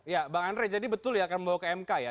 ya bang andre jadi betul ya akan membawa ke mk ya